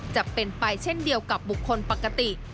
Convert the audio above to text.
จะเป็นไปเช่นเดียวกับบุคคลปกติ